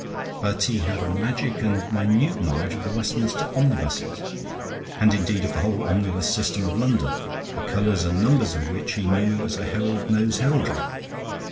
But he had a magic and minute knowledge of the Westminster omnibuses, and indeed of the whole omnibus system of London, the colors and numbers of which he knew as a herald knows heraldry.